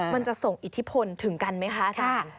มันจะส่งอิทธิพลถึงกันไหมคะอาจารย์